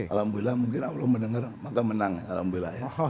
alhamdulillah mungkin allah mendengar maka menang alhamdulillah ya